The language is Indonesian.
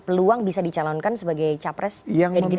peluang bisa dicalonkan sebagai capres dari gerindra